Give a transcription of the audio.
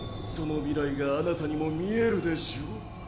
その未来があなたにも見えるでしょう？